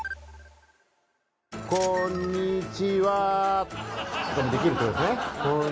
「こんにちは！！」とかもできるって事ですね。